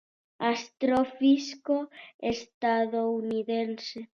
Astrofísico estadounidense.